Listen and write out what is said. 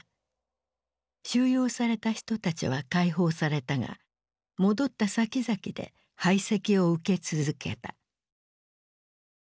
収容された人たちは解放されたが戻ったさきざきで排斥を受け続けた。